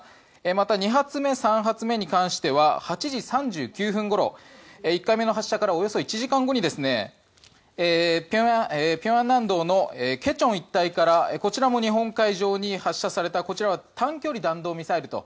また２発目、３発目に関しては８時３９分ごろ１回目の発射からおよそ１時間後に平安南道の价川一帯からこちらも日本海上に発射されたこちらは短距離弾道ミサイルと。